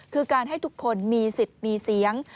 คือการให้ทุกคนมีสิทธิ์มีเสียง